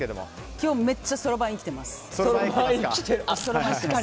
今日、めっちゃそろばん生きてます。